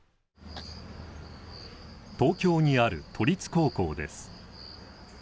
東京にある都立高校です。